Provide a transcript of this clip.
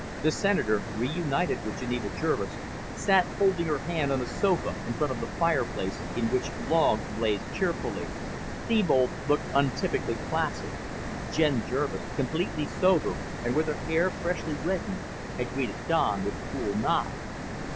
The Senator, reunited with Geneva Jervis, sat holding her hand on a sofa in front of the fireplace in which logs blazed cheerfully. Thebold looked untypically placid. Jen Jervis, completely sober and with her hair freshly reddened, had greeted Don with a cool nod.